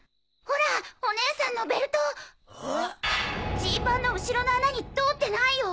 ジーパンの後ろの穴に通ってないよ！